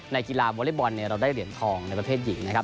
ในกีฬาบอลเลย์บอลเนี่ยเราได้เหรียญทองในประเภทหญิงนะครับ